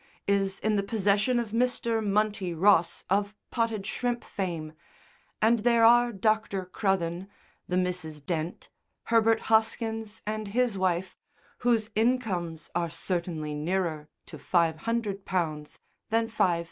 is in the possession of Mr. Munty Ross of Potted Shrimp fame, and there are Dr. Cruthen, the Misses Dent, Herbert Hoskins and his wife, whose incomes are certainly nearer to £500 than £5,000.